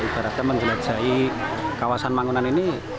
ibaratnya menjelajahi kawasan mangunan ini